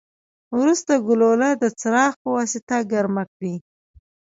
وروسته ګلوله د څراغ پواسطه ګرمه کړئ.